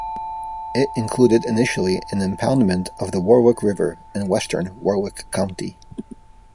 It included initially an impoundment of the Warwick River in western Warwick County.